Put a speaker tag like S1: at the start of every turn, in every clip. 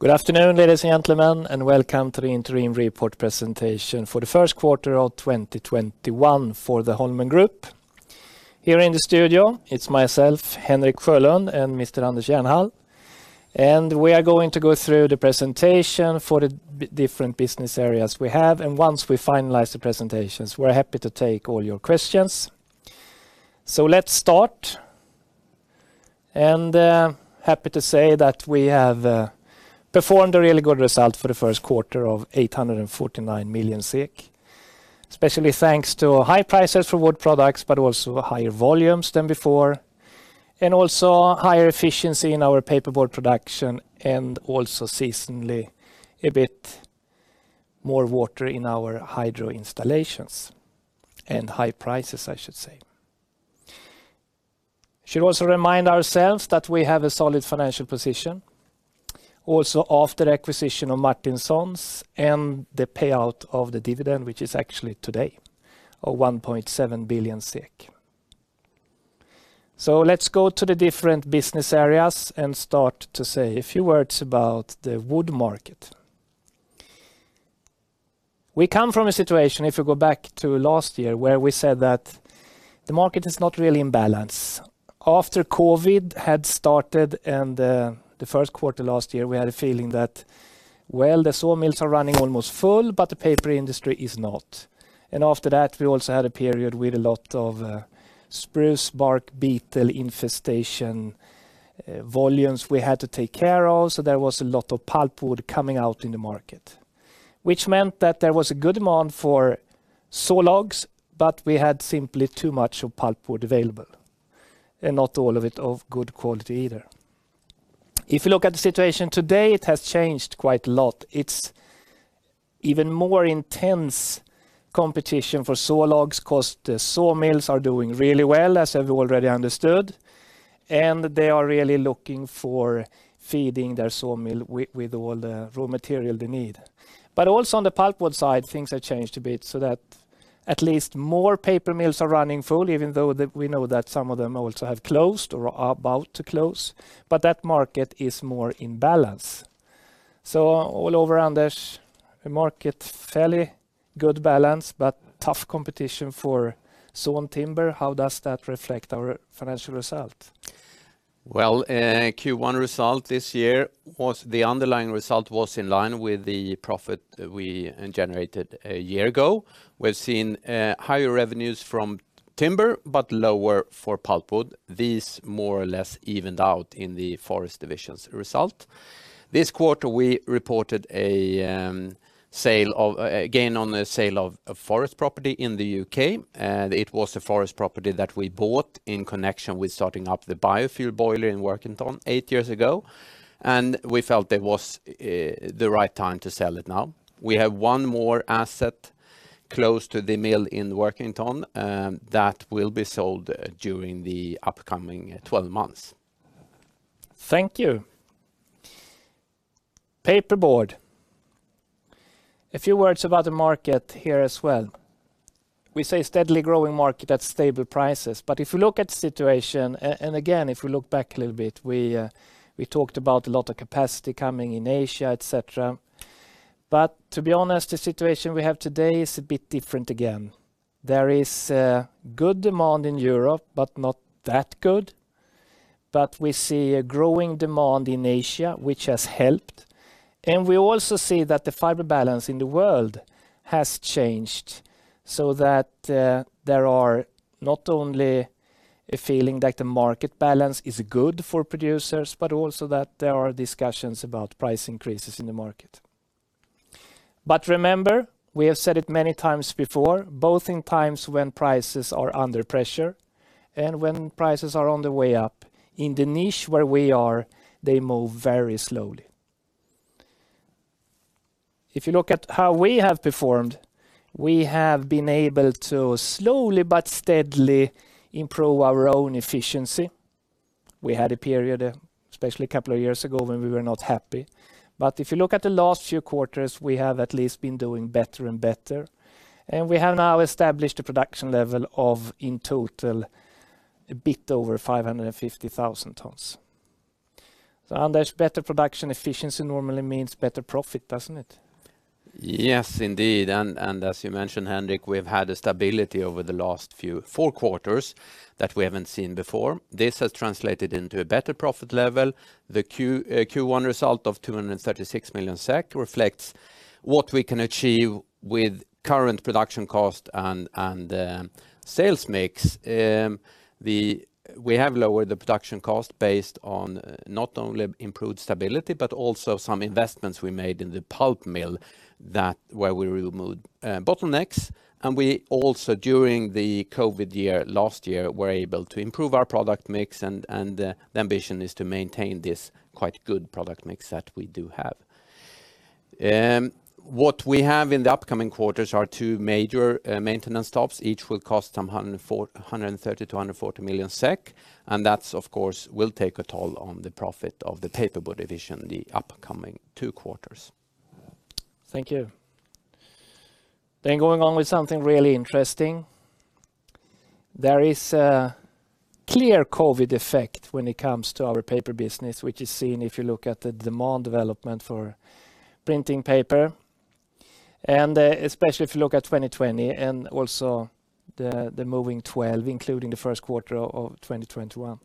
S1: Good afternoon, ladies and gentlemen, welcome to the interim report presentation for the first quarter of 2021 for the Holmen Group. Here in the studio it's myself, Henrik Sjölund, and Anders Jernhall, we are going to go through the presentation for the different business areas we have. Once we finalize the presentations, we're happy to take all your questions. Let's start. Happy to say that we have performed a really good result for the first quarter of 849 million SEK, especially thanks to high prices for wood products, also higher volumes than before, also higher efficiency in our paperboard production, also seasonally a bit more water in our hydro installations and high prices, I should say. Should also remind ourselves that we have a solid financial position, also after acquisition of Martinsons and the payout of the dividend, which is actually today of 1.7 billion SEK. Let's go to the different business areas and start to say a few words about the wood market. We come from a situation, if we go back to last year, where we said that the market is not really in balance. After COVID had started and the first quarter last year, we had a feeling that, well, the sawmills are running almost full, but the paper industry is not. After that, we also had a period with a lot of spruce bark beetle infestation volumes we had to take care of, so there was a lot of pulpwood coming out in the market, which meant that there was a good demand for sawlogs, but we had simply too much of pulpwood available, and not all of it of good quality either. If you look at the situation today, it has changed quite a lot. It's even more intense competition for sawlogs because the sawmills are doing really well, as we already understood, and they are really looking for feeding their sawmill with all the raw material they need. Also on the pulpwood side, things have changed a bit so that at least more paper mills are running full, even though that we know that some of them also have closed or are about to close. That market is more in balance. All over, Anders, the market fairly good balance, but tough competition for sawn timber. How does that reflect our financial result?
S2: Well, Q1 result this year, the underlying result was in line with the profit we generated a year ago. We've seen higher revenues from timber, but lower for pulpwood. These more or less evened out in the forest division's result. This quarter, we reported a gain on the sale of a forest property in the U.K. It was a forest property that we bought in connection with starting up the biofuel boiler in Workington eight years ago, and we felt it was the right time to sell it now. We have one more asset close to the mill in Workington that will be sold during the upcoming 12 months.
S1: Thank you. Paperboard. A few words about the market here as well. We say steadily growing market at stable prices. If you look at the situation, and again, if we look back a little bit, we talked about a lot of capacity coming in Asia, et cetera. To be honest, the situation we have today is a bit different again. There is good demand in Europe, but not that good. We see a growing demand in Asia, which has helped, and we also see that the fiber balance in the world has changed, so that there are not only a feeling that the market balance is good for producers, but also that there are discussions about price increases in the market. Remember, we have said it many times before, both in times when prices are under pressure and when prices are on the way up, in the niche where we are, they move very slowly. If you look at how we have performed, we have been able to slowly but steadily improve our own efficiency. We had a period, especially a couple of years ago, when we were not happy. If you look at the last few quarters, we have at least been doing better and better, and we have now established a production level of, in total, a bit over 550,000 tons. Anders, better production efficiency normally means better profit, doesn't it?
S2: Yes, indeed. As you mentioned, Henrik, we've had a stability over the last four quarters that we haven't seen before. This has translated into a better profit level. The Q1 result of 236 million SEK reflects what we can achieve with current production cost and sales mix. We have lowered the production cost based on not only improved stability, but also some investments we made in the pulp mill where we removed bottlenecks. We also, during the COVID year last year, were able to improve our product mix, and the ambition is to maintain this quite good product mix that we do have. What we have in the upcoming quarters are two major maintenance stops. Each will cost 130 million-140 million SEK, and that, of course, will take a toll on the profit of the paperboard division the upcoming two quarters.
S1: Thank you. Going on with something really interesting. There is a clear COVID effect when it comes to our paper business, which is seen if you look at the demand development for printing paper, and especially if you look at 2020 and also the moving 12, including the first quarter of 2021,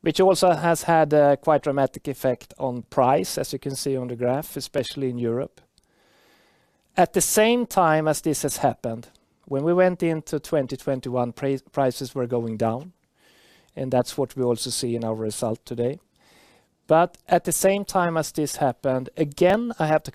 S1: which also has had a quite dramatic effect on price, as you can see on the graph, especially in Europe. At the same time as this has happened, when we went into 2021, prices were going down, and that is what we also see in our result today. At the same time as this happened, again, I have to come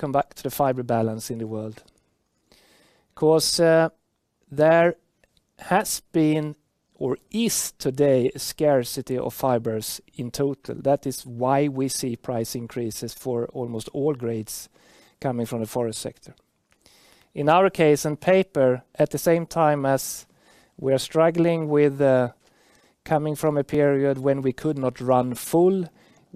S1: back to the fiber balance in the world. There has been or is today a scarcity of fibers in total. That is why we see price increases for almost all grades coming from the forest sector.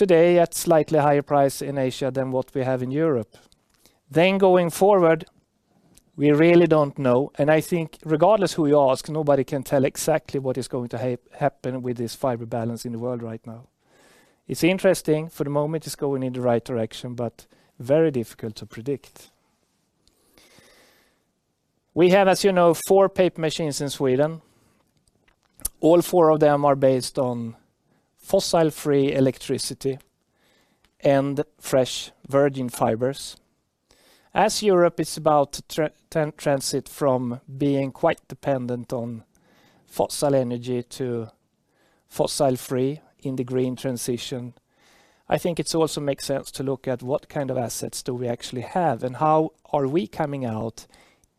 S1: is going to happen with this fiber balance in the world right now. It's interesting. For the moment, it's going in the right direction, but very difficult to predict. We have, as you know, four paper machines in Sweden. All four of them are based on fossil-free electricity and fresh virgin fibers. As Europe is about to transit from being quite dependent on fossil energy to fossil-free in the green transition, I think it also makes sense to look at what kind of assets do we actually have and how are we coming out if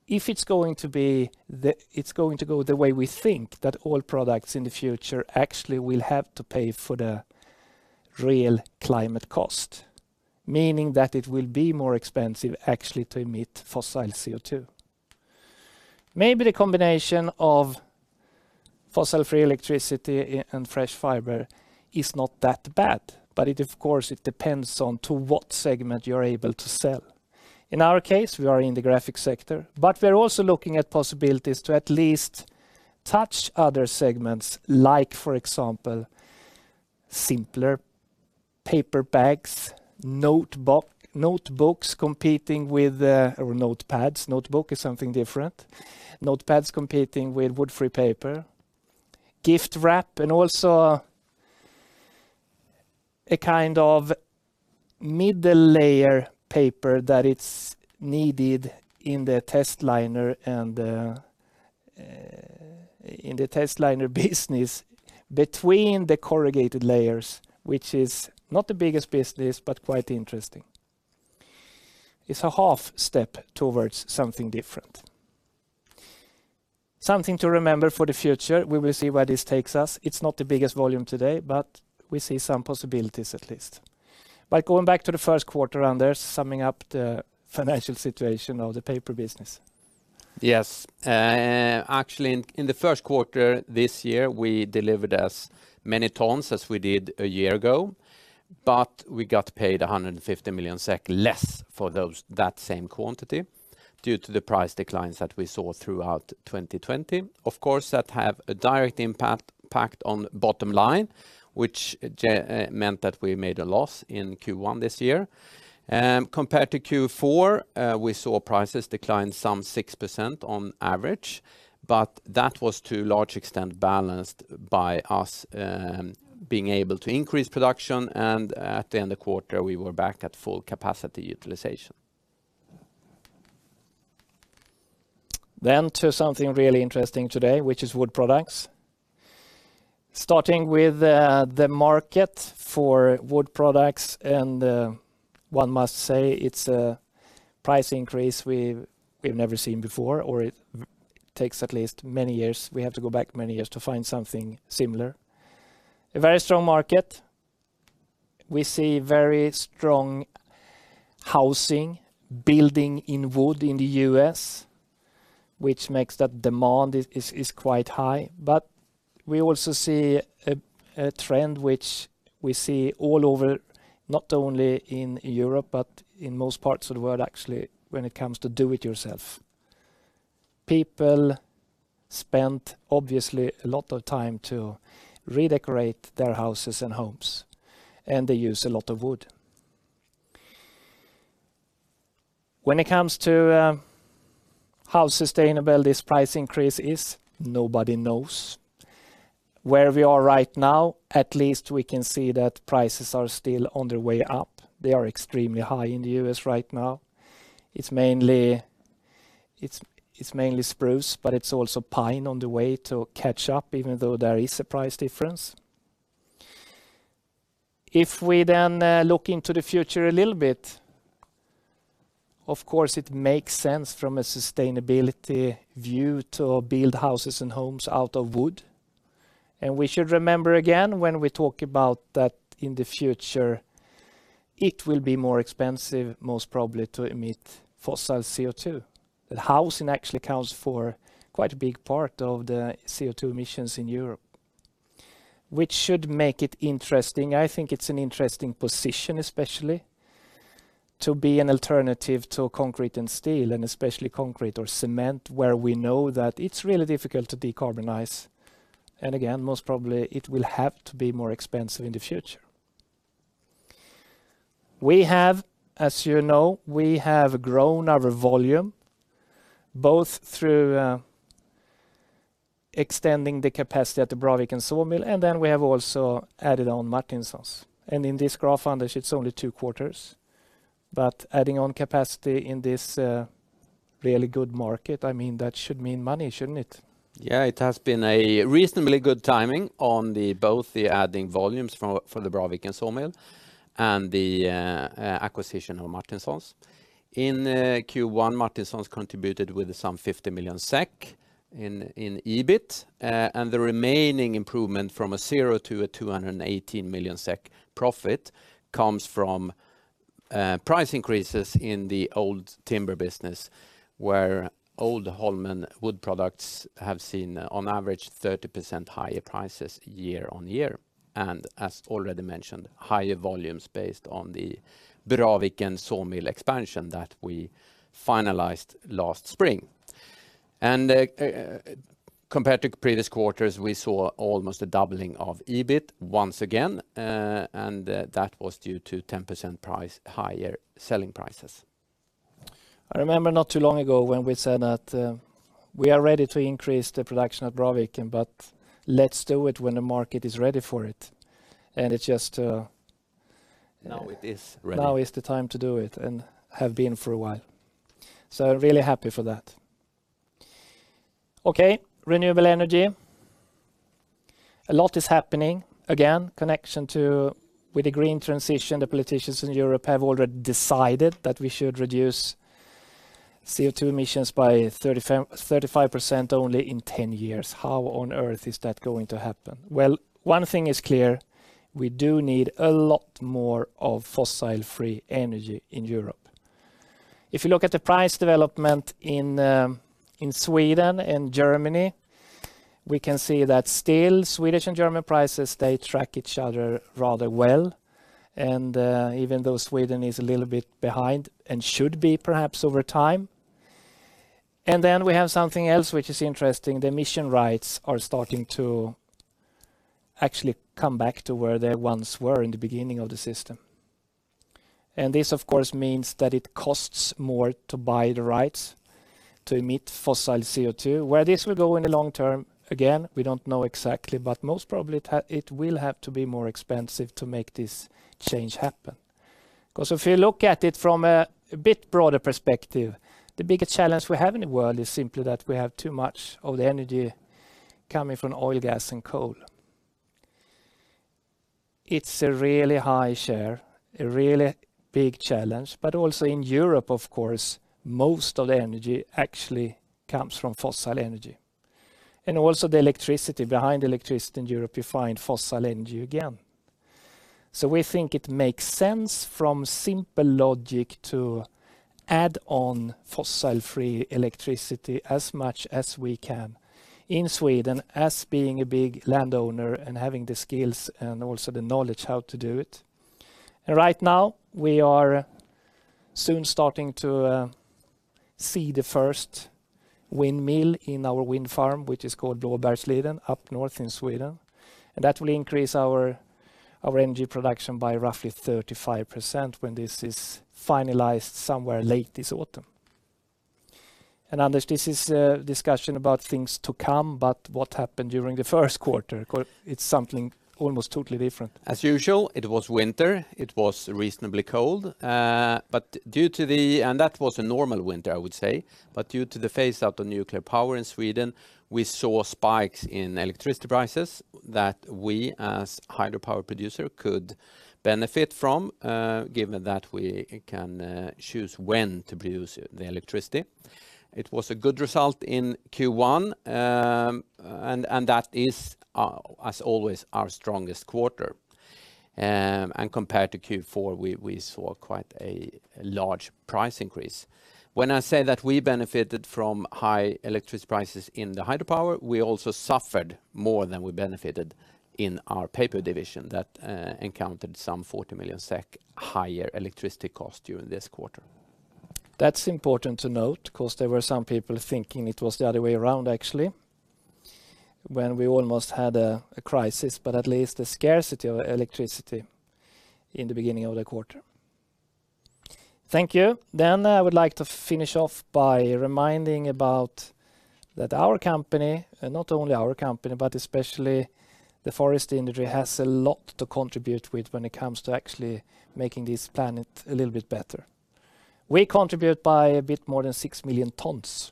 S1: it's going to go the way we think that all products in the future actually will have to pay for the real climate cost, meaning that it will be more expensive actually to emit fossil CO2. Maybe the combination of fossil-free electricity and fresh fiber is not that bad, but of course, it depends on to what segment you're able to sell. In our case, we are in the graphic sector, but we're also looking at possibilities to at least touch other segments, like, for example, simpler paper bags, notebooks competing with notepads. Notebook is something different. Notepads competing with wood-free paper, gift wrap, and also a kind of middle-layer paper that it's needed in the testliner business between the corrugated layers, which is not the biggest business, but quite interesting. It's a half step towards something different. Something to remember for the future. We will see where this takes us. It's not the biggest volume today, but we see some possibilities at least. Going back to the first quarter, Anders, summing up the financial situation of the paper business.
S2: Yes. Actually, in the first quarter this year, we delivered as many tons as we did a year ago, but we got paid 150 million SEK less for that same quantity due to the price declines that we saw throughout 2020. Of course, that have a direct impact on bottom line, which meant that we made a loss in Q1 this year. Compared to Q4, we saw prices decline some 6% on average, but that was to a large extent balanced by us being able to increase production, and at the end of quarter, we were back at full capacity utilization.
S1: To something really interesting today, which is wood products. Starting with the market for wood products, and one must say it's a price increase we've never seen before, or we have to go back many years to find something similar. A very strong market. We see very strong housing, building in wood in the U.S., which makes that demand is quite high. We also see a trend which we see all over, not only in Europe, but in most parts of the world, actually, when it comes to do it yourself. People spent, obviously, a lot of time to redecorate their houses and homes, and they use a lot of wood. When it comes to how sustainable this price increase is, nobody knows. Where we are right now, at least we can see that prices are still on their way up. They are extremely high in the U.S. right now. It's mainly spruce, it's also pine on the way to catch up, even though there is a price difference. If we look into the future a little bit, of course, it makes sense from a sustainability view to build houses and homes out of wood. We should remember again, when we talk about that in the future, it will be more expensive, most probably, to emit fossil CO2. That housing actually accounts for quite a big part of the CO2 emissions in Europe, which should make it interesting. I think it's an interesting position, especially, to be an alternative to concrete and steel, especially concrete or cement, where we know that it's really difficult to decarbonize. Again, most probably, it will have to be more expensive in the future. We have as you know, we have grown our volume both through extending the capacity at the Braviken sawmill, and then we have also added on Martinsons. In this graph, Anders, it's only two quarters, but adding on capacity in this really good market, that should mean money, shouldn't it?
S2: It has been a reasonably good timing on both the adding volumes for the Braviken sawmill and the acquisition of Martinsons. In Q1, Martinsons contributed with 50 million SEK in EBIT, the remaining improvement from a zero to a 218 million SEK profit comes from price increases in the old timber business, where old Holmen Wood Products have seen, on average, 30% higher prices year-on-year. As already mentioned, higher volumes based on the Braviken sawmill expansion that we finalized last spring. Compared to previous quarters, we saw almost a doubling of EBIT once again, and that was due to 10% higher selling prices.
S1: I remember not too long ago when we said that we are ready to increase the production at Braviken, but let's do it when the market is ready for it.
S2: Now it is ready.
S1: Now is the time to do it, and have been for a while. Really happy for that. Okay, renewable energy. A lot is happening, again, connection with the green transition, the politicians in Europe have already decided that we should reduce CO2 emissions by 35% only in 10 years. How on earth is that going to happen? One thing is clear, we do need a lot more of fossil-free energy in Europe. If you look at the price development in Sweden and Germany, we can see that still Swedish and German prices, they track each other rather well, and even though Sweden is a little bit behind and should be perhaps over time. We have something else which is interesting, the emission rights are starting to actually come back to where they once were in the beginning of the system. This, of course, means that it costs more to buy the rights to emit fossil CO2. Where this will go in the long term, again, we don't know exactly, but most probably it will have to be more expensive to make this change happen. If you look at it from a bit broader perspective, the biggest challenge we have in the world is simply that we have too much of the energy coming from oil, gas, and coal. It's a really high share, a really big challenge. Also in Europe, of course, most of the energy actually comes from fossil energy. Also the electricity, behind electricity in Europe, you find fossil energy again. We think it makes sense from simple logic to add on fossil-free electricity as much as we can in Sweden as being a big landowner and having the skills and also the knowledge how to do it. Right now, we are soon starting to see the first windmill in our wind farm, which is called Blåbergsliden up north in Sweden, and that will increase our energy production by roughly 35% when this is finalized somewhere late this autumn. Anders, this is a discussion about things to come, but what happened during the first quarter? Because it's something almost totally different.
S2: As usual, it was winter. It was reasonably cold. That was a normal winter, I would say, but due to the phase-out of nuclear power in Sweden, we saw spikes in electricity prices that we, as hydropower producer, could benefit from, given that we can choose when to produce the electricity. It was a good result in Q1, and that is, as always, our strongest quarter. Compared to Q4, we saw quite a large price increase. When I say that we benefited from high electricity prices in the hydropower, we also suffered more than we benefited in our paper division that encountered some 40 million SEK higher electricity cost during this quarter.
S1: That's important to note because there were some people thinking it was the other way around, actually. When we almost had a crisis, but at least a scarcity of electricity in the beginning of the quarter. Thank you. I would like to finish off by reminding about that our company, and not only our company, but especially the forest industry, has a lot to contribute with when it comes to actually making this planet a little bit better. We contribute by a bit more than six million tons,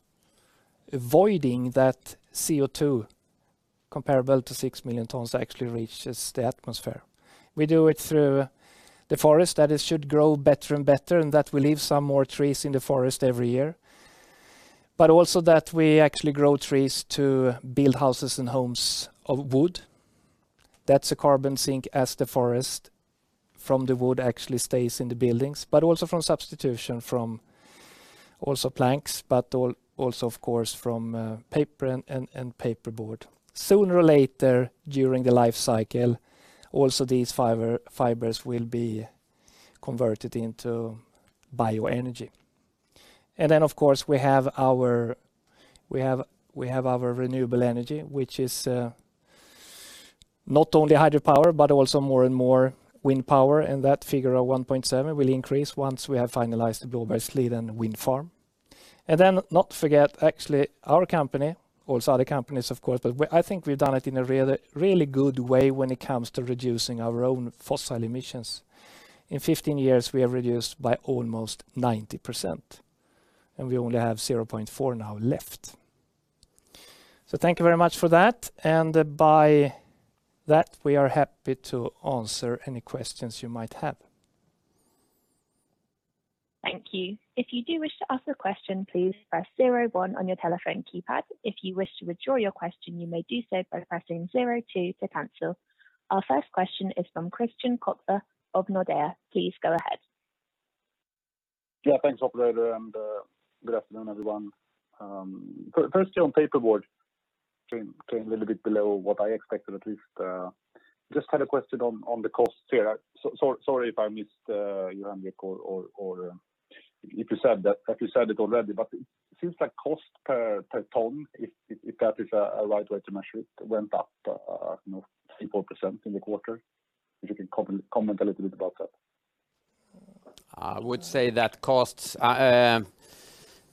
S1: avoiding that CO2 comparable to six million tons actually reaches the atmosphere. We do it through the forest, that it should grow better and better, and that we leave some more trees in the forest every year, but also that we actually grow trees to build houses and homes of wood. That's a carbon sink as the forest from the wood actually stays in the buildings, but also from substitution from also planks, but also of course from paper and paperboard. Sooner or later during the life cycle, also these fibers will be converted into bioenergy. We have our renewable energy, which is not only hydropower, but also more and more wind power, and that figure of 1.7 will increase once we have finalized the Blåbergsliden Wind Farm. Not forget, actually, our company, also other companies of course, but I think we've done it in a really good way when it comes to reducing our own fossil emissions. In 15 years, we have reduced by almost 90%, and we only have 0.4 now left. Thank you very much for that, and by that, we are happy to answer any questions you might have.
S3: Thank you. If you do wish to ask a question, please press zero, one on your telephone keypad. If you wish to withdraw your question, you may do so by pressing zero, two to cancel. Our first question is from Christian Kopfer of Nordea. Please go ahead.
S4: Thanks operator. Good afternoon, everyone. Firstly, on paperboard came a little bit below what I expected at least. Just had a question on the cost here. Sorry if I missed your handbook or if you said it already. It seems like cost per ton, if that is a right way to measure it, went up 3%, 4% in the quarter. If you can comment a little bit about that.
S2: I would say that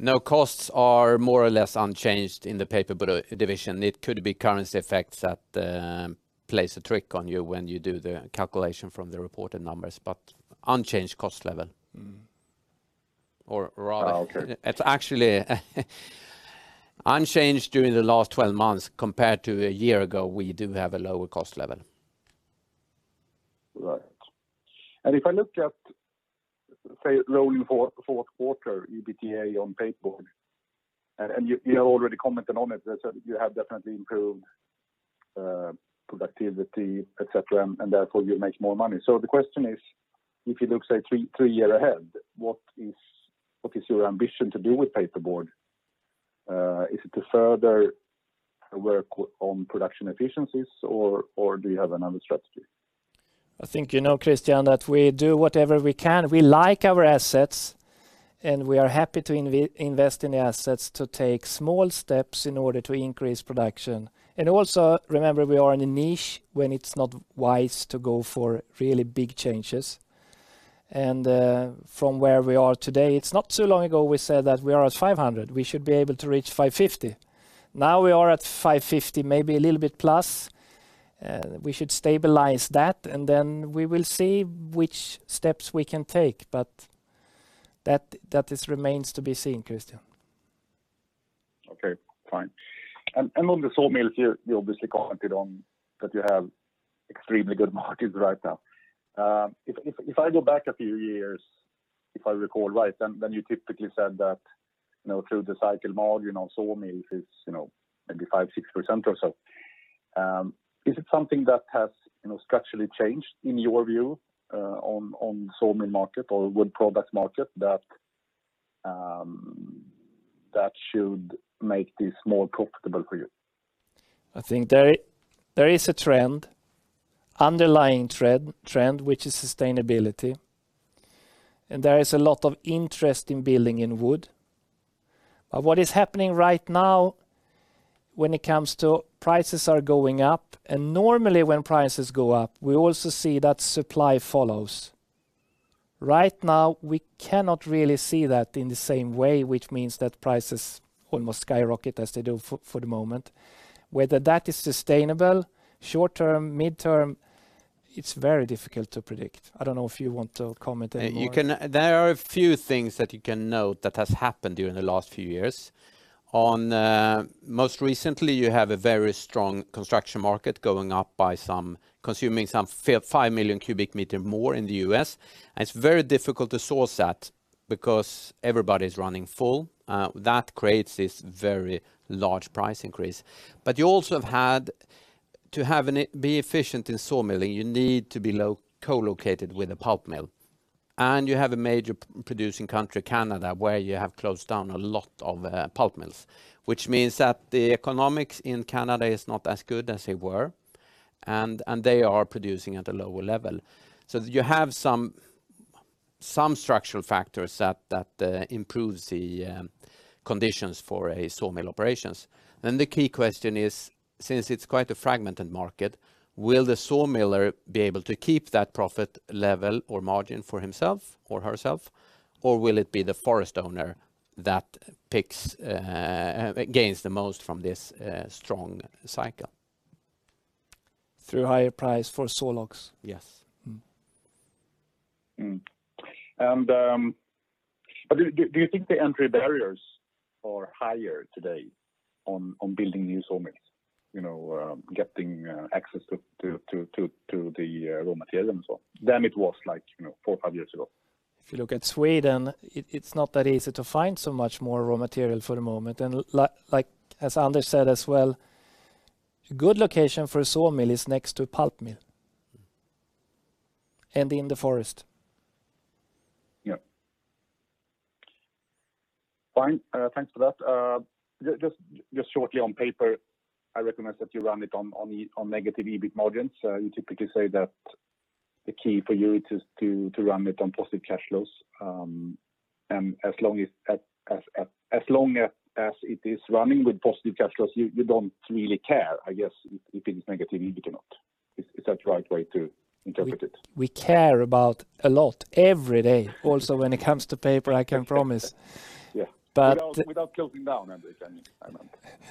S2: no costs are more or less unchanged in the paperboard division. It could be currency effects that plays a trick on you when you do the calculation from the reported numbers, but unchanged cost level.
S4: Okay.
S2: It's actually unchanged during the last 12 months compared to a year ago. We do have a lower cost level.
S4: Right. If I look at, say, rolling fourth quarter EBITDA on paperboard, you have already commented on it, you have definitely improved productivity, et cetera, and therefore you make more money. The question is, if you look, say, three year ahead, what is your ambition to do with paperboard? Is it to further work on production efficiencies, or do you have another strategy?
S1: I think you know, Christian, that we do whatever we can. We like our assets, and we are happy to invest in the assets to take small steps in order to increase production. Also, remember, we are in a niche when it's not wise to go for really big changes. From where we are today, it's not too long ago, we said that we are at 500. We should be able to reach 550. Now we are at 550, maybe a little bit plus. We should stabilize that, and then we will see which steps we can take, but that remains to be seen, Christian.
S4: Okay, fine. On the sawmills, you obviously commented on that you have extremely good markets right now. If I go back a few years, if I recall right, then you typically said that through the cycle margin on sawmills is maybe 5%, 6% or so. Is it something that has structurally changed in your view on sawmill market or wood product market that should make this more profitable for you?
S1: I think there is a trend, underlying trend, which is sustainability, and there is a lot of interest in building in wood. What is happening right now when it comes to prices are going up, and normally when prices go up, we also see that supply follows. Right now, we cannot really see that in the same way, which means that prices almost skyrocket as they do for the moment. Whether that is sustainable short-term, mid-term, it's very difficult to predict. I don't know if you want to comment anymore. There are a few things that you can note that has happened during the last few years. Most recently, you have a very strong construction market going up by consuming some 5 million cu m more in the U.S. It's very difficult to source that because everybody's running full. That creates this very large price increase. To be efficient in sawmilling, you need to be co-located with a pulp mill, and you have a major producing country, Canada, where you have closed down a lot of pulp mills, which means that the economics in Canada is not as good as they were, and they are producing at a lower level. Some structural factors that improves the conditions for sawmill operations. The key question is, since it's quite a fragmented market, will the sawmiller be able to keep that profit level or margin for himself or herself, or will it be the forest owner that gains the most from this strong cycle?
S2: Through higher price for saw logs?
S1: Yes.
S4: Do you think the entry barriers are higher today on building new sawmills? Getting access to the raw material and so on than it was four or five years ago?
S1: If you look at Sweden, it's not that easy to find so much more raw material for the moment, and as Anders said as well, a good location for a sawmill is next to a pulp mill and in the forest.
S4: Yeah. Fine. Thanks for that. Just shortly on paper,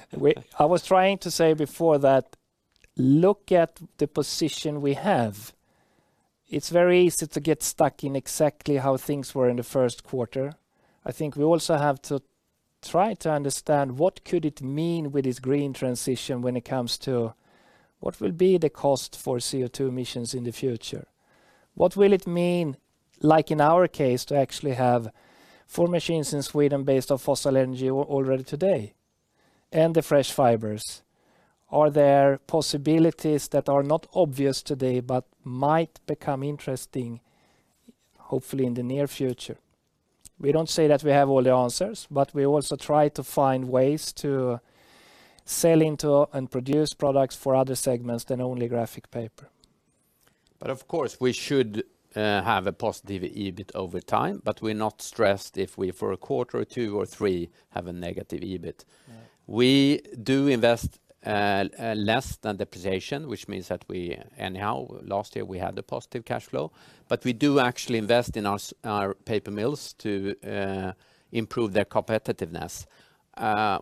S4: I recommend that you run it on negative EBIT margins. You typically say that the key for you is to run it on positive cash flows. As long as it is running with positive cash flows, you don't really care, I guess, if it is negative EBIT or not. Is that the right way to
S1: Yeah.
S2: We do invest less than depreciation, which means that we, anyhow, last year, we had the positive cash flow. We do actually invest in our paper mills to improve their competitiveness,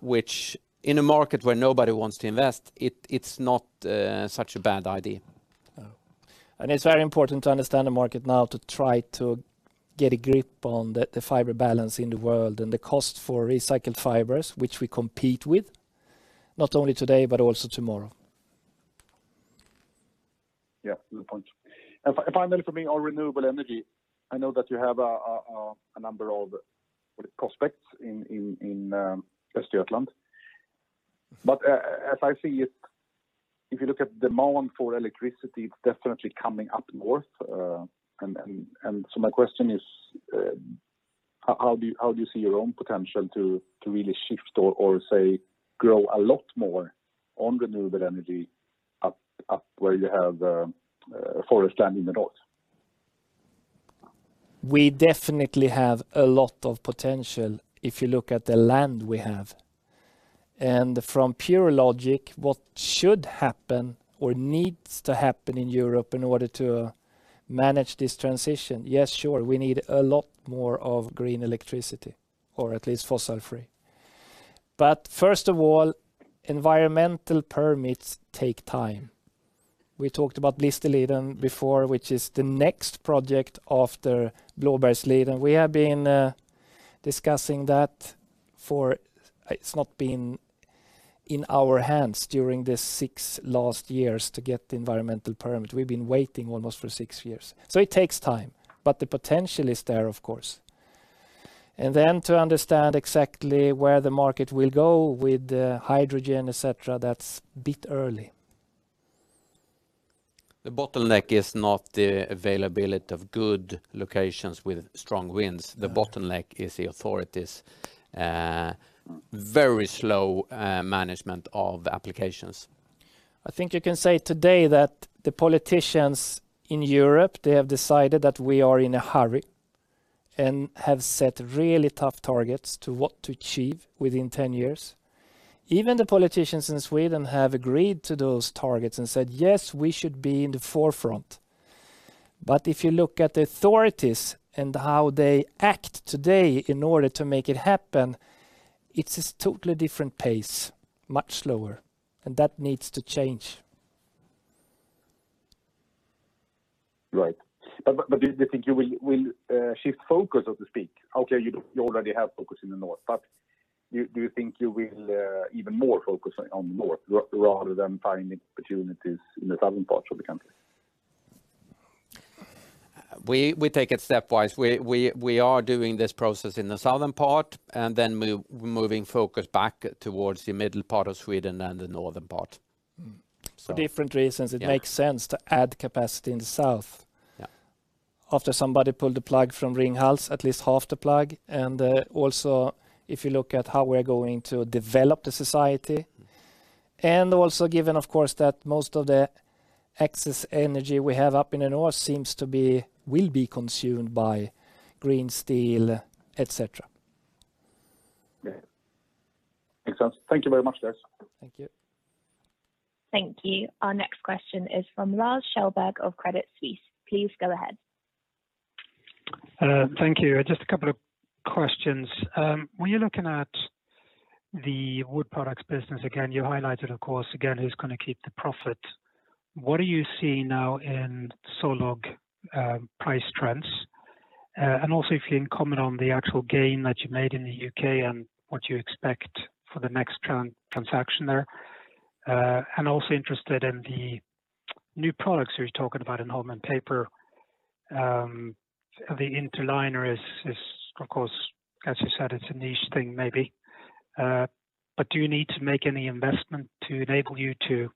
S2: which in a market where nobody wants to invest, it's not such a bad idea.
S1: No. It's very important to understand the market now to try to get a grip on the fiber balance in the world and the cost for recycled fibers, which we compete with, not only today, but also tomorrow.
S4: Yeah, to the point. Finally, for me, on renewable energy, I know that you have a number of prospects in Östergötland. As I see it, if you look at the demand for electricity, it's definitely coming up north. My question is, how do you see your own potential to really shift or, say, grow a lot more on renewable energy up where you have forest land in the north?
S1: We definitely have a lot of potential if you look at the land we have. From pure logic, what should happen or needs to happen in Europe in order to manage this transition, yes, sure, we need a lot more of green electricity, or at least fossil-free. First of all, environmental permits take time. We talked about Blisterliden before, which is the next project after Blåbergsliden. We have been discussing that. It's not been in our hands during the six last years to get the environmental permit. We've been waiting almost for six years. It takes time, but the potential is there, of course. To understand exactly where the market will go with hydrogen, et cetera, that's a bit early.
S2: The bottleneck is not the availability of good locations with strong winds. The bottleneck is the authorities' very slow management of the applications.
S1: I think you can say today that the politicians in Europe, they have decided that we are in a hurry and have set really tough targets to what to achieve within 10 years. Even the politicians in Sweden have agreed to those targets and said, "Yes, we should be in the forefront." If you look at the authorities and how they act today in order to make it happen, it's this totally different pace, much slower, and that needs to change.
S4: Right. Do you think you will shift focus, so to speak? Okay, you already have focus in the north, do you think you will even more focus on north rather than finding opportunities in the southern parts of the country?
S2: We take it stepwise. We are doing this process in the southern part and then moving focus back towards the middle part of Sweden and the northern part.
S1: For different reasons, it makes sense to add capacity in the south.
S2: Yeah.
S1: After somebody pulled the plug from Ringhals, at least half the plug. If you look at how we're going to develop the society. Also, given, of course, that most of the excess energy we have up in the north will be consumed by green steel, et cetera.
S4: Yeah. Makes sense. Thank you very much, guys.
S1: Thank you.
S3: Thank you. Our next question is from Lars Kjellberg of Credit Suisse. Please go ahead.
S5: Thank you. Just a couple of questions. When you're looking at the wood products business again, you highlighted, of course, again, who's going to keep the profit. What are you seeing now in sawlog price trends? Also if you can comment on the actual gain that you made in the U.K. and what you expect for the next transaction there. I'm also interested in the new products you were talking about in Holmen Paper. The interliner is, of course, as you said, it's a niche thing maybe. Do you need to make any investment to enable you to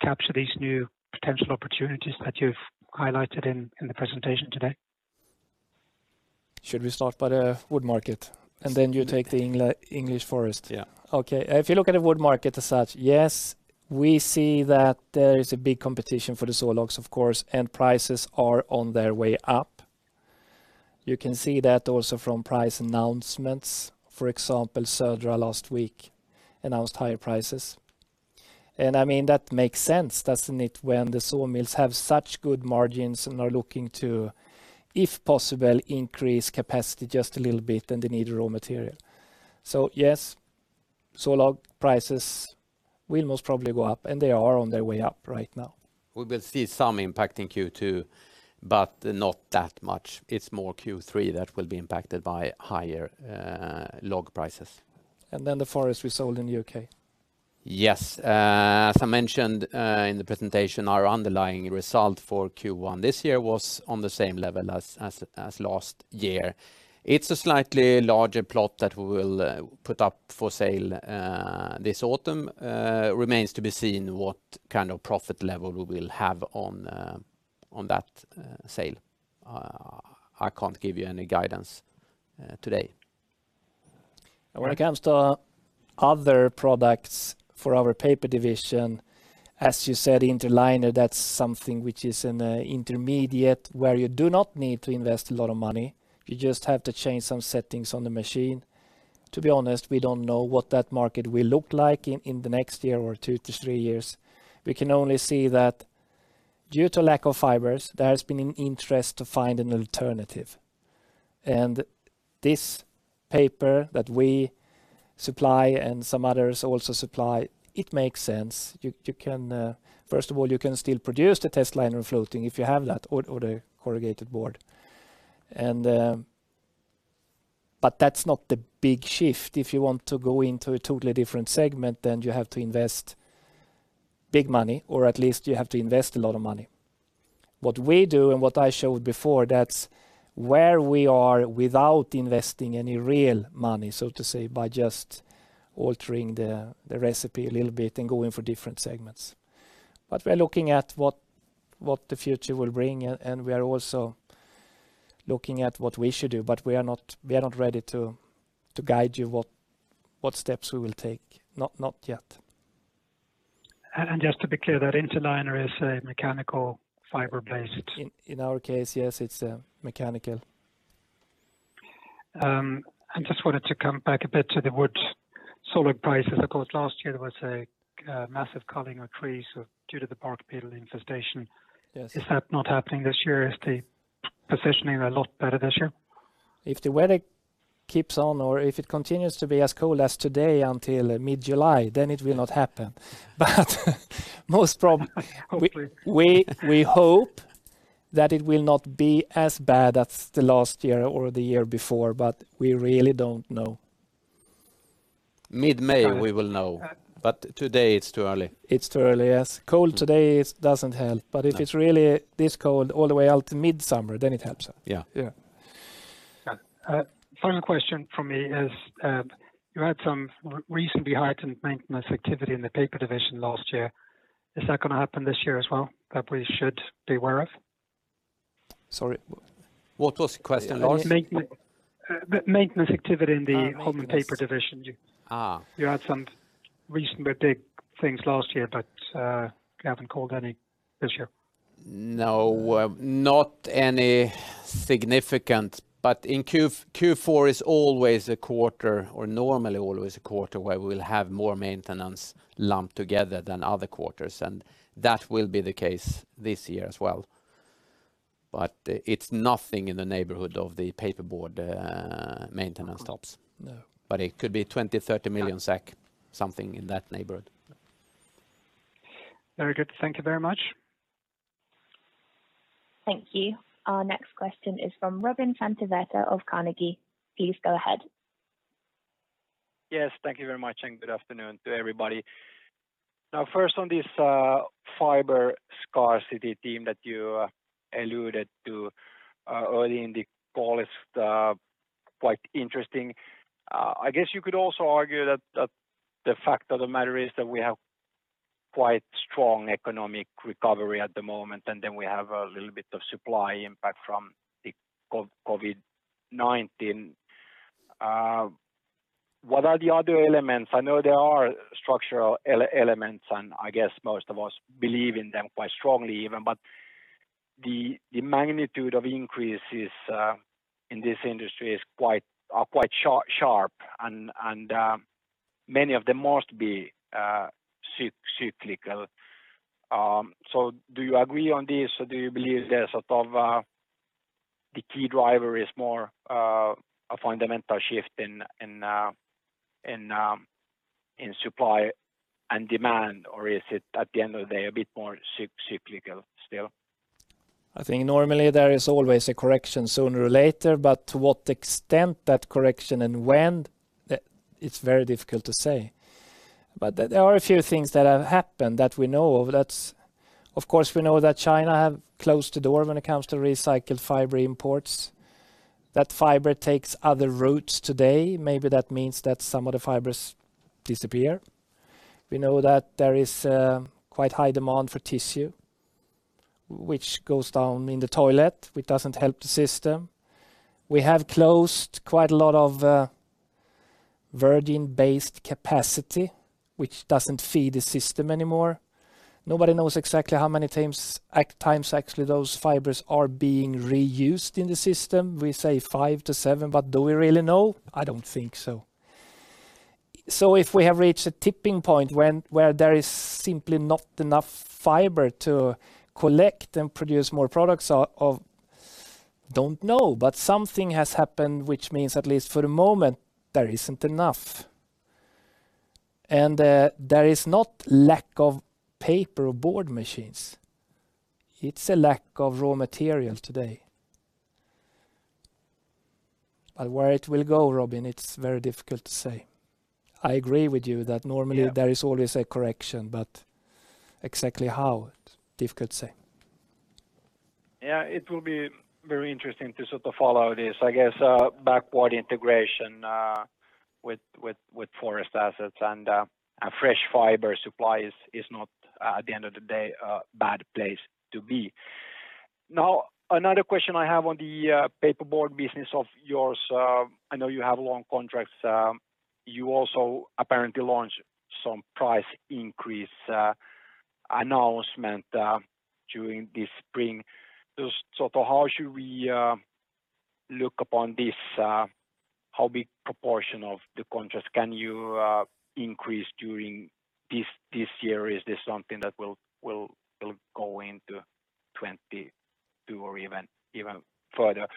S5: capture these new potential opportunities that you've highlighted in the presentation today?
S1: Should we start by the wood market, and then you take the English forest?
S2: Yeah.
S1: Okay. If you look at the wood market as such, yes, we see that there is a big competition for the sawlogs, of course, and prices are on their way up. You can see that also from price announcements. For example, Södra last week announced higher prices. That makes sense, doesn't it? When the sawmills have such good margins and are looking to, if possible, increase capacity just a little bit, and they need raw material. Yes, sawlog prices will most probably go up, and they are on their way up right now.
S2: We will see some impact in Q2, but not that much. It's more Q3 that will be impacted by higher log prices.
S1: The forest we sold in the U.K.
S2: Yes. As I mentioned in the presentation, our underlying result for Q1 this year was on the same level as last year. It's a slightly larger plot that we will put up for sale this autumn. Remains to be seen what kind of profit level we will have on that sale. I can't give you any guidance today.
S1: When it comes to other products for our paper division, as you said, interliner, that's something which is an intermediate where you do not need to invest a lot of money. You just have to change some settings on the machine. To be honest, we don't know what that market will look like in the next year or two to three years. We can only see that due to lack of fibers, there has been an interest to find an alternative. This paper that we supply and some others also supply, it makes sense. First of all, you can still produce the testliner fluting if you have that or the corrugated board. That's not the big shift. If you want to go into a totally different segment, then you have to invest big money, or at least you have to invest a lot of money. What we do and what I showed before, that's where we are without investing any real money, so to say, by just altering the recipe a little bit and going for different segments. We're looking at what the future will bring, and we are also looking at what we should do, but we are not ready to guide you what steps we will take. Not yet.
S5: Just to be clear, that interliner is a mechanical fiber-based?
S1: In our case, yes, it's mechanical.
S5: I just wanted to come back a bit to the wood sawlog prices. Of course, last year there was a massive culling of trees due to the bark beetle infestation.
S1: Yes.
S5: Is that not happening this year? Is the positioning a lot better this year?
S1: If the weather keeps on or if it continues to be as cold as today until mid-July, then it will not happen. Most probably.
S5: Hopefully.
S1: We hope that it will not be as bad as the last year or the year before, but we really don't know.
S2: Mid-May we will know, but today it's too early.
S1: It's too early, yes. Cold today doesn't help, but if it's really this cold all the way out to mid-summer, then it helps.
S2: Yeah.
S1: Yeah.
S5: Final question from me is, you had some reasonably heightened maintenance activity in the Paper division last year. Is that going to happen this year as well that we should be aware of.
S2: Sorry. What was the question, Lars?
S5: The maintenance activity in the Holmen Paper division.
S2: Ahh.
S5: You had some reasonably big things last year, but you haven't called any this year.
S2: No, not any significant. Q4 is always a quarter, or normally always a quarter where we'll have more maintenance lumped together than other quarters, and that will be the case this year as well. It's nothing in the neighborhood of the paper board maintenance stops.
S1: No.
S2: It could be 20 million, 30 million, something in that neighborhood.
S5: Very good. Thank you very much.
S3: Thank you. Our next question is from Robin Santavirta of Carnegie. Please go ahead.
S6: Yes, thank you very much and good afternoon to everybody. First on this fiber scarcity theme that you alluded to early in the call, it's quite interesting. I guess you could also argue that the fact of the matter is that we have quite strong economic recovery at the moment, and then we have a little bit of supply impact from the COVID-19. What are the other elements? I know there are structural elements, and I guess most of us believe in them quite strongly even, but the magnitude of increases in this industry are quite sharp and many of them must be cyclical. Do you agree on this, or do you believe the key driver is more a fundamental shift in supply and demand, or is it at the end of the day, a bit more cyclical still?
S1: I think normally there is always a correction sooner or later, but to what extent that correction and when, it's very difficult to say. There are a few things that have happened that we know of. Of course, we know that China have closed the door when it comes to recycled fiber imports. That fiber takes other routes today. Maybe that means that some of the fibers disappear. We know that there is quite high demand for tissue, which goes down in the toilet, which doesn't help the system. We have closed quite a lot of virgin-based capacity, which doesn't feed the system anymore. Nobody knows exactly how many times actually those fibers are being reused in the system. We say five to seven, but do we really know? I don't think so. If we have reached a tipping point where there is simply not enough fiber to collect and produce more products, I don't know. Something has happened, which means, at least for the moment, there isn't enough. There is not lack of paper or board machines. It's a lack of raw material today. Where it will go, Robin, it's very difficult to say. I agree with you that normally there is always a correction, but exactly how, it's difficult to say.
S6: It will be very interesting to follow this. I guess backward integration with forest assets and fresh fiber supplies is not, at the end of the day, a bad place to be. Another question I have on the paper board business of yours. I know you have long contracts. You also apparently launched some price increase announcement during this spring. How should we look upon this? How big proportion of the contracts can you increase during this year? Is this something that will go into 2022 or even further?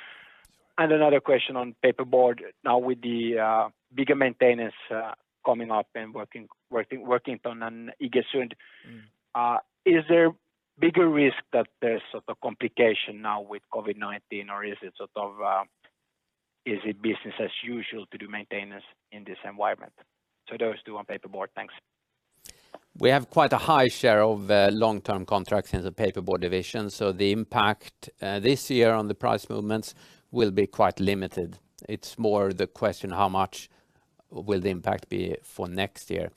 S6: Another question on paper board. Now with the bigger maintenance coming up in Workington and Iggesund, is there bigger risk that there's complication now with COVID-19, or is it business as usual to do maintenance in this environment? Those two on paper board. Thanks.
S2: We have quite a high share of long-term contracts in the paper board division, so the impact this year on the price movements will be quite limited. It's more the question, how much will the impact be for next year?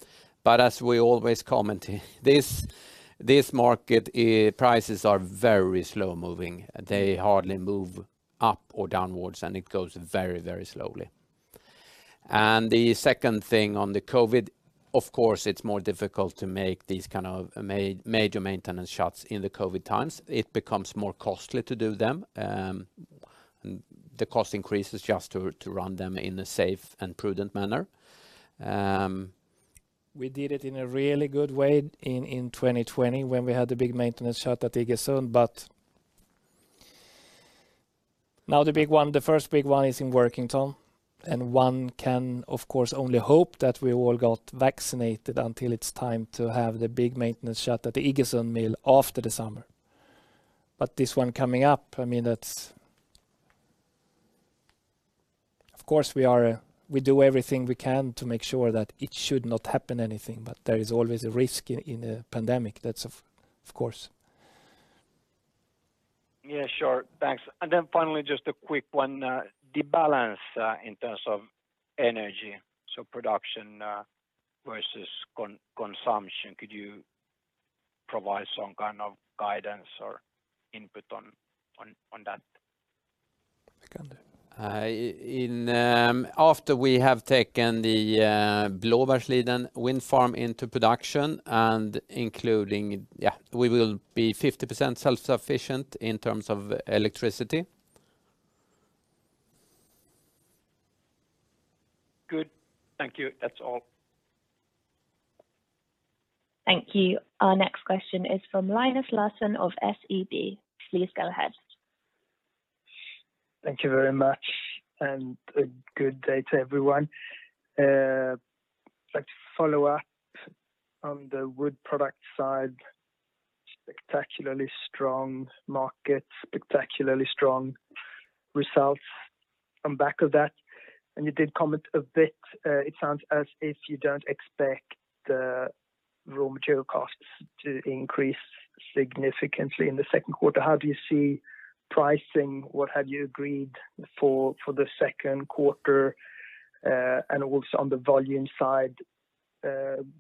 S2: As we always comment, this market, prices are very slow-moving. They hardly move up or downwards, and it goes very slowly. The second thing on the COVID, of course, it's more difficult to make these kind of major maintenance shuts in the COVID times. It becomes more costly to do them. The cost increases just to run them in a safe and prudent manner.
S1: We did it in a really good way in 2020 when we had the big maintenance shut at Iggesund, now the first big one is in Workington, and one can, of course, only hope that we all got vaccinated until it's time to have the big maintenance shut at the Iggesund mill after the summer. This one coming up, of course, we do everything we can to make sure that it should not happen anything, but there is always a risk in a pandemic. That's of course.
S6: Yeah, sure. Thanks. Finally, just a quick one. The balance in terms of energy, so production versus consumption, could you provide some kind of guidance or input on that?
S2: After we have taken the Blåbergsliden wind farm into production and including, we will be 50% self-sufficient in terms of electricity.
S6: Good. Thank you. That's all.
S3: Thank you. Our next question is from Linus Larsson of SEB. Please go ahead.
S7: Thank you very much. A good day to everyone. I'd like to follow up on the wood product side. Spectacularly strong market, spectacularly strong results on back of that, and you did comment a bit, it sounds as if you don't expect the raw material costs to increase significantly in the second quarter. How do you see pricing? What have you agreed for the second quarter? Also on the volume side,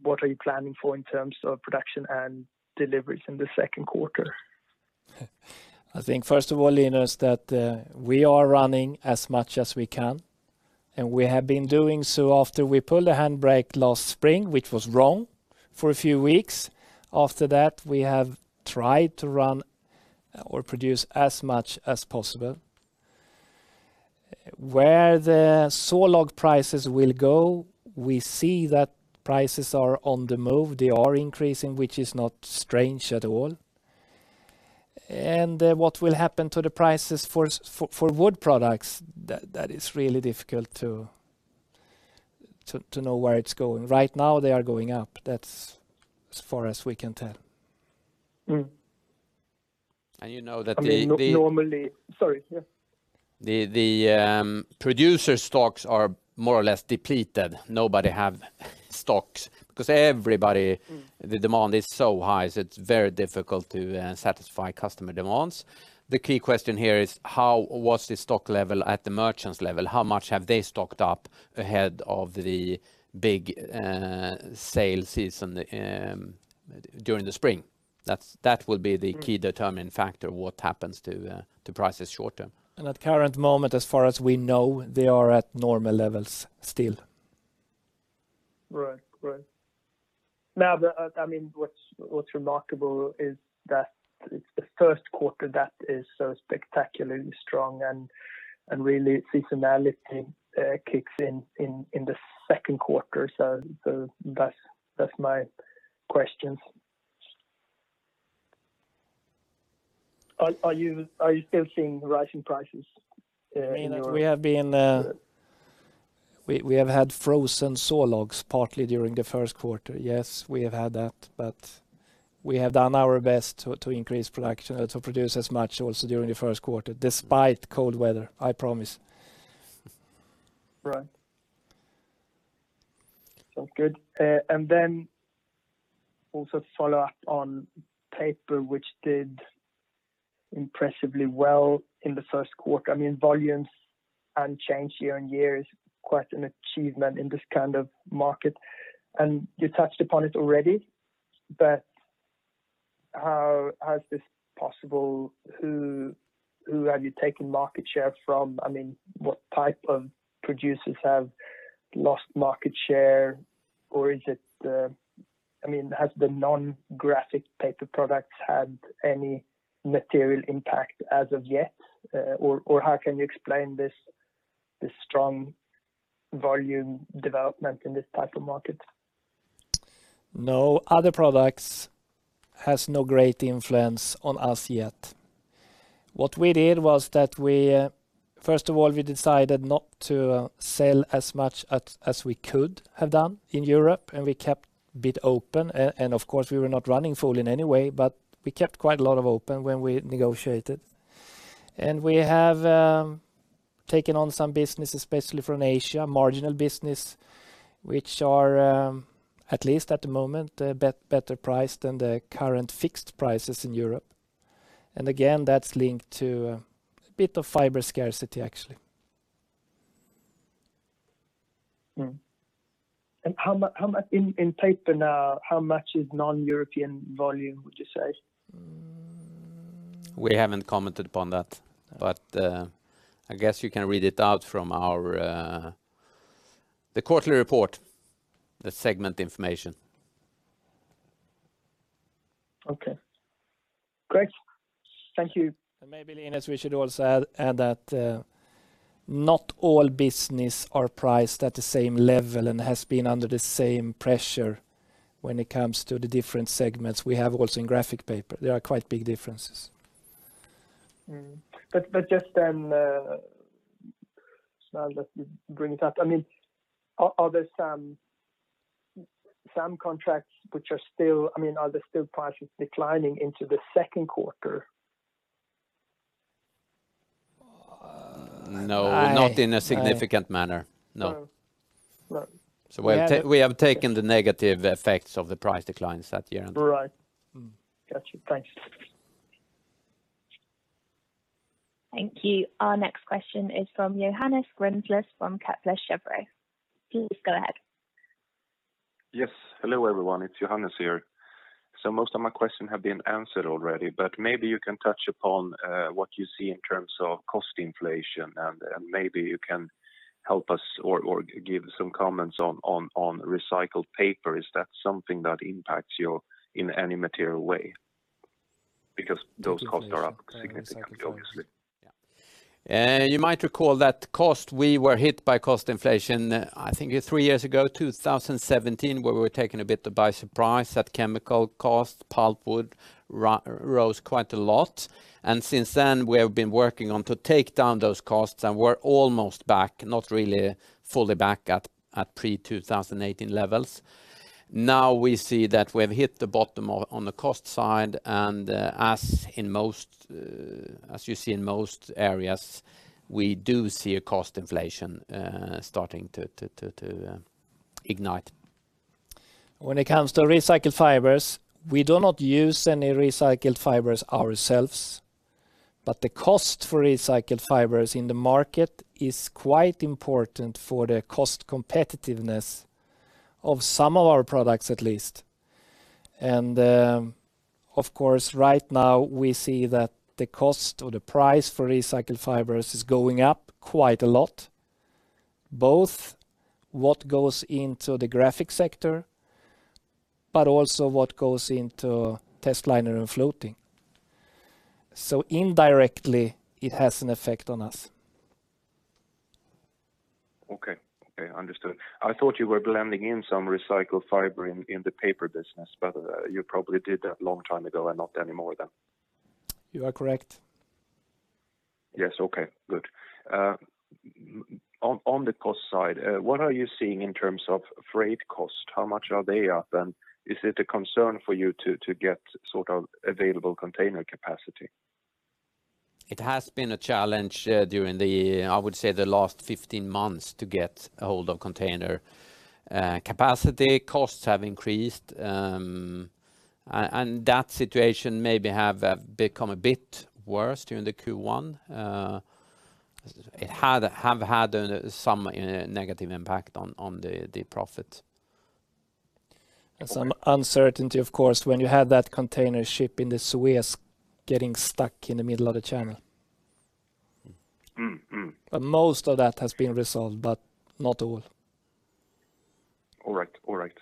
S7: what are you planning for in terms of production and deliveries in the second quarter?
S1: I think first of all, Linus, that we are running as much as we can, and we have been doing so after we pulled the handbrake last spring, which was wrong for a few weeks. After that, we have tried to run or produce as much as possible. Where the sawlog prices will go, we see that prices are on the move. They are increasing, which is not strange at all. What will happen to the prices for wood products, that is really difficult to know where it's going. Right now they are going up. That's as far as we can tell.
S2: And you know that the.
S7: I mean, normally, sorry. Yeah.
S2: The producer stocks are more or less depleted. Nobody have stocks because the demand is so high, so it's very difficult to satisfy customer demands. The key question here is, how was the stock level at the merchants level? How much have they stocked up ahead of the big sale season during the spring? That will be the key determining factor what happens to prices short term.
S1: At current moment, as far as we know, they are at normal levels still.
S7: Right. Now, what's remarkable is that it's the first quarter that is so spectacularly strong and really seasonality kicks in the second quarter. That's my questions. Are you still seeing rising prices in your-
S1: Linus, we have had frozen sawlogs partly during the first quarter. Yes, we have had that, but we have done our best to increase production, to produce as much also during the first quarter, despite cold weather, I promise.
S7: Right. Sounds good. Also follow up on paper, which did impressively well in the first quarter. Volumes unchanged year-over-year is quite an achievement in this kind of market. You touched upon it already, how is this possible? Who have you taken market share from? What type of producers have lost market share? Has the non-graphic paper products had any material impact as of yet? How can you explain this strong volume development in this type of market?
S1: No, other products has no great influence on us yet. What we did was that, first of all, we decided not to sell as much as we could have done in Europe, and we kept a bit open. Of course, we were not running full in any way, but we kept quite a lot of open when we negotiated. We have taken on some business, especially from Asia, marginal business, which are, at least at the moment, better priced than the current fixed prices in Europe. Again, that's linked to a bit of fiber scarcity, actually.
S7: In paper now, how much is non-European volume, would you say?
S2: We haven't commented upon that, but I guess you can read it out from the quarterly report, the segment information.
S7: Okay. Great. Thank you.
S1: Maybe, Linus, we should also add that not all business are priced at the same level and has been under the same pressure when it comes to the different segments we have also in graphic paper. There are quite big differences.
S7: Just then, now that you bring it up, are there some contracts which are still partially declining into the second quarter?
S2: No, not in a significant manner. No.
S7: Right.
S2: We have taken the negative effects of the price declines that year.
S7: Right. Got you. Thanks.
S3: Thank you. Our next question is from Johannes Gründel from Kepler Cheuvreux. Please go ahead.
S8: Yes. Hello, everyone. It's Johannes here. Most of my question have been answered already, but maybe you can touch upon what you see in terms of cost inflation, and maybe you can help us or give some comments on recycled paper. Is that something that impacts you in any material way? Those costs are up significantly, obviously.
S2: You might recall that we were hit by cost inflation, I think three years ago, 2017, where we were taken a bit by surprise that chemical cost, pulpwood rose quite a lot. Since then, we have been working on to take down those costs, and we're almost back, not really fully back at pre-2018 levels. Now we see that we've hit the bottom on the cost side, and as you see in most areas, we do see a cost inflation starting to ignite.
S1: When it comes to recycled fibers, we do not use any recycled fibers ourselves, but the cost for recycled fibers in the market is quite important for the cost competitiveness of some of our products at least. Of course, right now we see that the cost or the price for recycled fibers is going up quite a lot, both what goes into the graphic sector, but also what goes into testliner and fluting. Indirectly, it has an effect on us.
S8: Understood. I thought you were blending in some recycled fiber in the paper business, but you probably did that long time ago and not anymore then.
S1: You are correct.
S8: Yes, okay. Good. On the cost side, what are you seeing in terms of freight cost? How much are they up? Is it a concern for you to get available container capacity?
S2: It has been a challenge during the, I would say, the last 15 months to get a hold of container capacity. Costs have increased, that situation maybe have become a bit worse during the Q1. It have had some negative impact on the profit.
S1: Some uncertainty, of course, when you had that container ship in the Suez getting stuck in the middle of the channel. Most of that has been resolved, but not all.
S8: All right.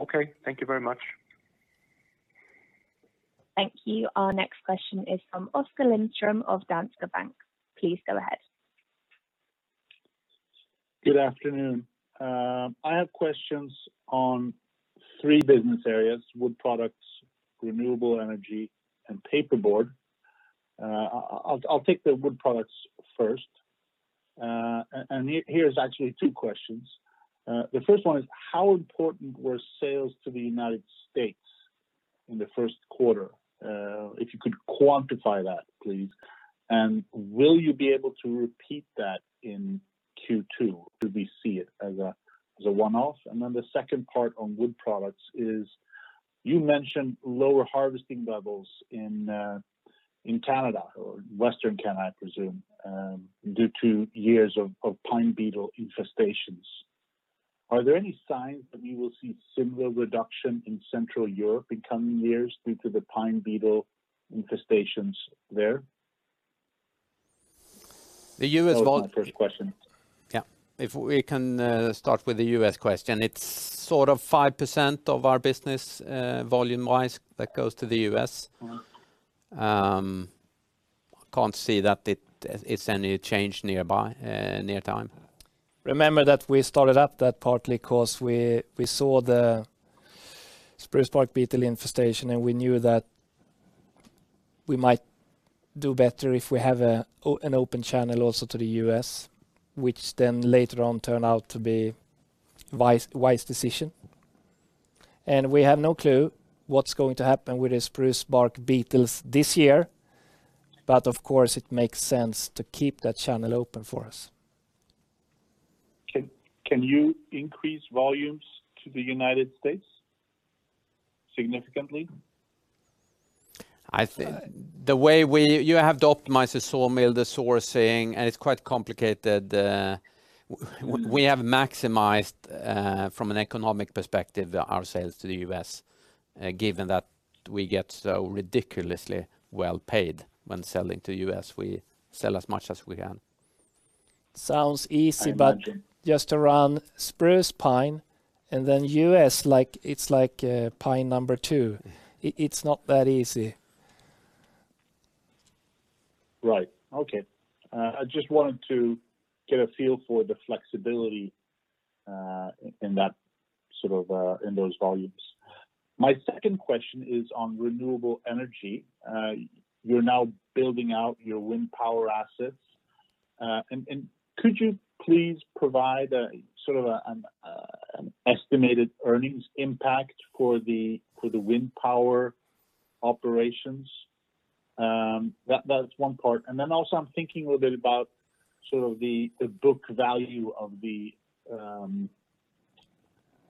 S8: Okay. Thank you very much.
S3: Thank you. Our next question is from Oskar Lindström of Danske Bank. Please go ahead.
S9: Good afternoon. I have questions on three business areas: wood products, renewable energy, and paperboard. I'll take the wood products first. Here is actually two questions. The first one is, how important were sales to the U.S. in Q1? If you could quantify that, please. Will you be able to repeat that in Q2, or do we see it as a one-off? Then the second part on wood products is, you mentioned lower harvesting levels in Canada, or Western Canada, I presume, due to years of pine beetle infestations. Are there any signs that we will see similar reduction in Central Europe in coming years due to the pine beetle infestations there?
S2: The US.
S9: That was my first question.
S2: Yeah. If we can start with the U.S. question, it's 5% of our business, volume wise, that goes to the U.S. Can't see that it's any change near time. Remember that we started up that partly because we saw the spruce bark beetle infestation, we knew that we might do better if we have an open channel also to the U.S., which then later on turned out to be wise decision. We have no clue what's going to happen with the spruce bark beetles this year. Of course, it makes sense to keep that channel open for us.
S9: Can you increase volumes to the United States significantly?
S2: You have to optimize the sawmill, the sourcing. It's quite complicated. We have maximized, from an economic perspective, our sales to the U.S., given that we get so ridiculously well-paid when selling to the U.S., we sell as much as we can.
S1: Sounds easy. Just to run spruce, pine, and then U.S., it's like pine number two. It's not that easy.
S9: Right. Okay. I just wanted to get a feel for the flexibility in those volumes. My second question is on renewable energy. You're now building out your wind power assets. Could you please provide an estimated earnings impact for the wind power operations? That's one part. Also I'm thinking a little bit about the book value of the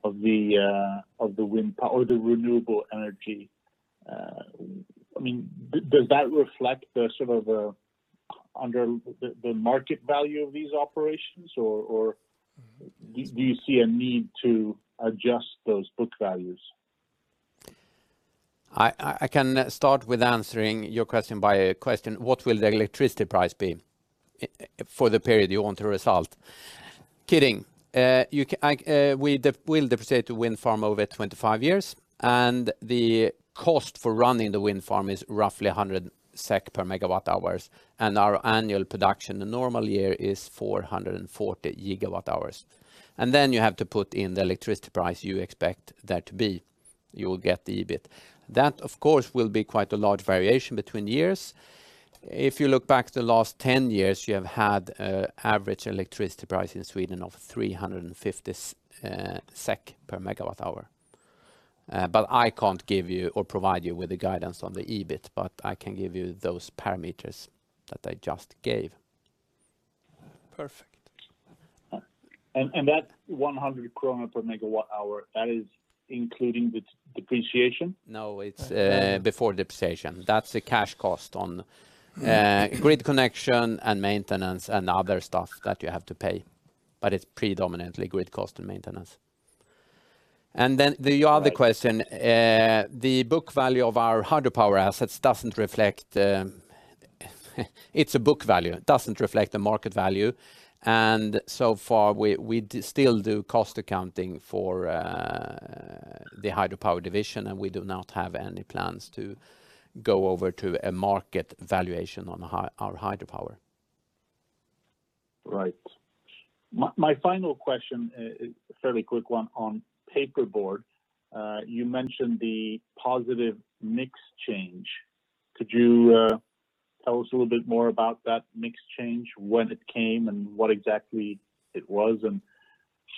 S9: wind power, the renewable energy. Does that reflect the market value of these operations, or do you see a need to adjust those book values?
S2: I can start with answering your question by a question. What will the electricity price be for the period you want the result? Kidding. We'll depreciate the wind farm over 25 years, and the cost for running the wind farm is roughly 100 SEK/MWh, and our annual production, the normal year, is 440 GWh. Then you have to put in the electricity price you expect that to be. You will get the EBIT. That, of course, will be quite a large variation between years. If you look back the last 10 years, you have had average electricity price in Sweden of 350 SEK/MWh. I can't give you or provide you with the guidance on the EBIT, but I can give you those parameters that I just gave.
S1: Perfect.
S9: That SEK 100/MWh, that is including the depreciation?
S2: No, it's before depreciation. That's a cash cost on grid connection and maintenance and other stuff that you have to pay, but it's predominantly grid cost and maintenance. The other question, the book value of our hydropower assets, it's a book value, doesn't reflect the market value. So far, we still do cost accounting for the hydropower division, and we do not have any plans to go over to a market valuation on our hydropower.
S9: Right. My final question is a fairly quick one on paperboard. You mentioned the positive mix change. Could you tell us a little bit more about that mix change, when it came and what exactly it was, and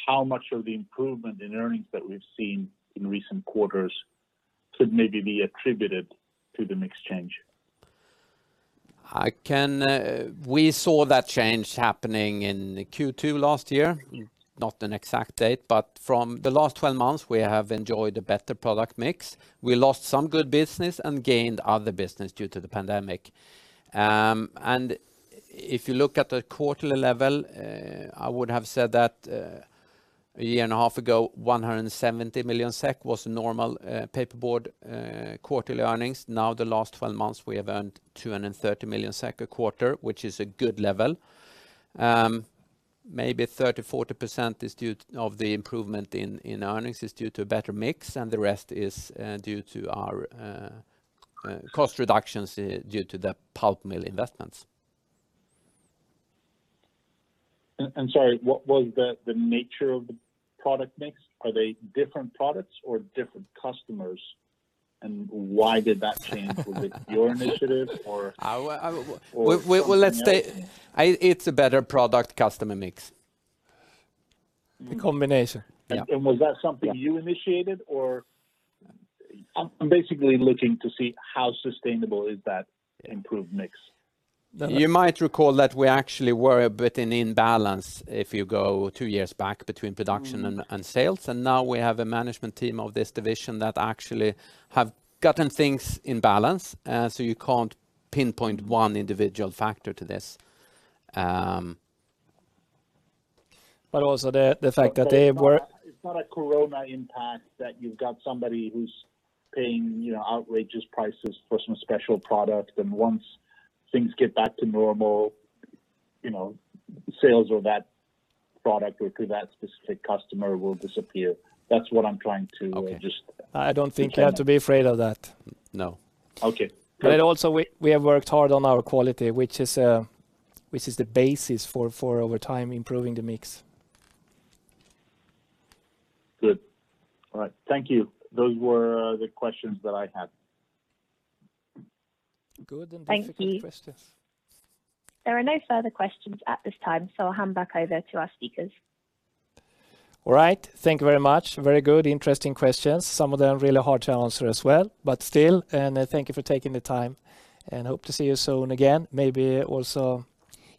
S9: how much of the improvement in earnings that we've seen in recent quarters could maybe be attributed to the mix change?
S2: We saw that change happening in Q2 last year, not an exact date, from the last 12 months, we have enjoyed a better product mix. We lost some good business and gained other business due to the pandemic. If you look at the quarterly level, I would have said that a year and a half ago, 170 million SEK was normal paperboard quarterly earnings. Now, the last 12 months, we have earned 230 million SEK a quarter, which is a good level. Maybe 30%-40% of the improvement in earnings is due to a better mix. The rest is due to our cost reductions due to the pulp mill investments.
S9: Sorry, what was the nature of the product mix? Are they different products or different customers, and why did that change? Was it your initiative or?
S2: Well, let's say it's a better product customer mix.
S1: A combination.
S2: Yeah.
S9: Was that something you initiated or I'm basically looking to see how sustainable is that improved mix?
S2: You might recall that we actually were a bit in imbalance, if you go two years back, between production and sales, and now we have a management team of this division that actually have gotten things in balance. You can't pinpoint one individual factor to this.
S1: But also the fact that they were.
S9: It's not a COVID impact that you've got somebody who's paying outrageous prices for some special product, and once things get back to normal, sales of that product or to that specific customer will disappear.
S1: I don't think you have to be afraid of that.
S2: No.
S9: Okay.
S1: Also, we have worked hard on our quality, which is the basis for, over time, improving the mix.
S9: Good. All right. Thank you. Those were the questions that I had.
S1: Good. The second question?
S3: Thank you. There are no further questions at this time, I'll hand back over to our speakers.
S1: All right. Thank you very much. Very good, interesting questions. Some of them really hard to answer as well, but still, thank you for taking the time, and hope to see you soon again, maybe also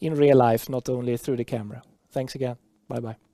S1: in real life, not only through the camera. Thanks again. Bye bye.